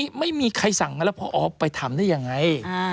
พอไม่มีใครสั่งอะไรพอไปทำได้ยังไง